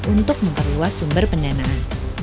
untuk memperluas sumber pendanaan